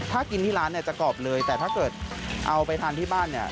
ถ้ากินที่ร้านเนี่ยจะกรอบเลยแต่ถ้าเกิดเอาไปทานที่บ้านเนี่ย